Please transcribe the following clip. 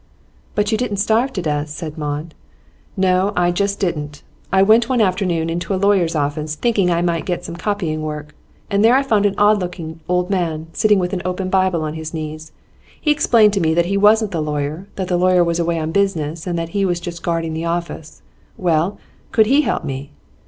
'But you didn't starve to death,' said Maud. 'No, I just didn't. I went one afternoon into a lawyer's office, thinking I might get some copying work, and there I found an odd looking old man, sitting with an open Bible on his knees. He explained to me that he wasn't the lawyer; that the lawyer was away on business, and that he was just guarding the office. Well, could he help me?